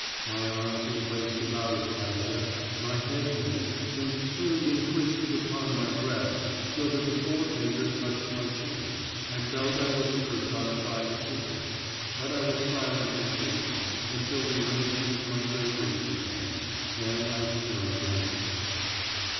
My arms were placed about Aspasia, my head bent and turned and twisted my upon my breast so that the forefinger touched my chin I felt I was a personified simper; but I was silent and patient, until the arrangement of my draperies began then I squirmed anxiously.